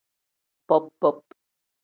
Bob-bob.